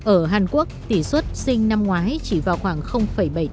ở hàn quốc tỷ suất sinh năm ngoái chỉ vào khoảng bảy mươi tám